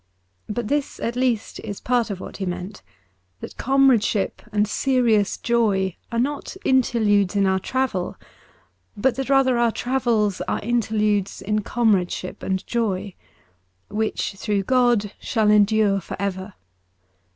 But this at least is part of what he meant : that comradeship and serious joy are not interludes in our travel, but that rather our travels are interludes in comradeship and joy, which, through God, shall endure for ever.